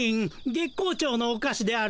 月光町のおかしであるな。